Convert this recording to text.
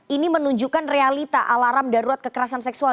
ini menunjukkan realita alarm darurat kekerasan seksual